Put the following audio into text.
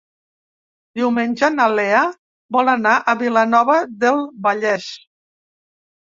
Diumenge na Lea vol anar a Vilanova del Vallès.